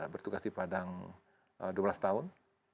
bertugas di padang dua belas tahun